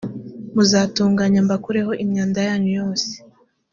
muzatungana mbakureho imyanda yanyu yose